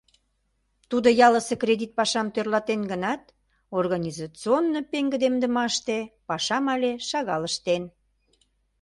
Тудо ялысе кредит пашам тӧрлатен гынат, организационно пеҥгыдемдымаште пашам але шагал ыштен.